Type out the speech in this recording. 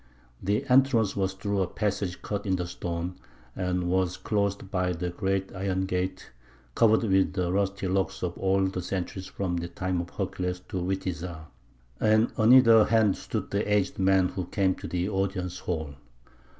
The entrance was through a passage cut in the stone, and was closed by the great iron gate covered with the rusty locks of all the centuries from the time of Hercules to Witiza; and on either hand stood the aged men who had come to the audience hall.